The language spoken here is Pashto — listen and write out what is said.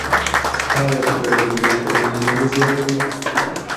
آیا په ګډه ډوډۍ خوړل مینه نه زیاتوي؟